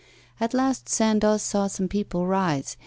At last Sandoz saw some people rise.